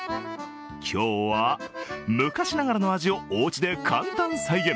今日は昔ながらの味をおうちで簡単再現。